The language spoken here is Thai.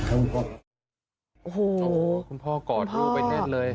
โอ้โหคุณพ่อกอดรูปไปแน่นเลยคุณพ่อโอ้โหคุณพ่อ